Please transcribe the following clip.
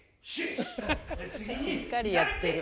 しっかりやってる。